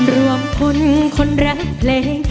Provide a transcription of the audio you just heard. ร่วมทุนคนรักเพลง